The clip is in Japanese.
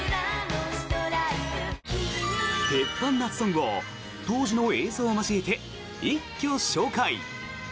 鉄板夏ソングを当時の映像を交えて一挙紹介！